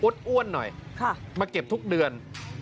อ้วนหน่อยมาเก็บทุกเดือน